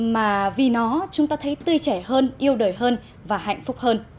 mà vì nó chúng ta thấy tươi trẻ hơn yêu đời hơn và hạnh phúc hơn